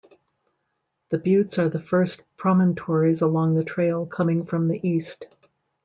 The buttes are the first promontories along the trail coming from the east.